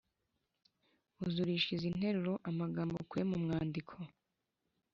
uzurisha izi nteruro amagambo ukuye mu mwandiko: